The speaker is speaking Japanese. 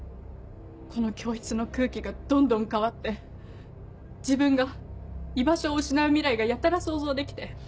この教室の空気がどんどん変わって自分が居場所を失う未来がやたら想像できて。